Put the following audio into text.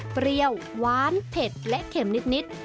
เปรี้ยวหวานเผ็ดและเข็มนิด